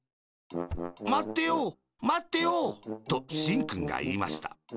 「まってよまってよ」としんくんがいいました。